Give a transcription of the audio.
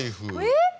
えっ！